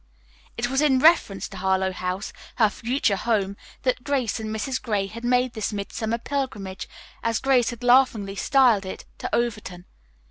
It was in reference to Harlowe House, her future home, that Grace and Mrs. Gray had made this midsummer pilgrimage, as Grace had laughingly styled it, to Overton.